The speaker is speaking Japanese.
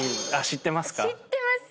知ってます！